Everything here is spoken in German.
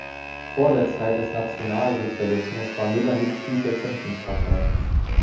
Vor der Zeit des Nationalsozialismus war Müller Mitglied der Zentrumspartei.